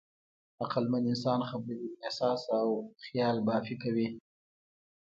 عقلمن انسان خبرې، احساس او خیالبافي کوي.